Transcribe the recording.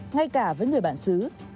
ngay cả với người bản xứ